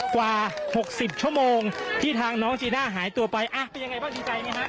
กว่า๖๐ชั่วโมงที่ทางน้องจีน่าหายตัวไปเป็นยังไงบ้างดีใจไหมฮะ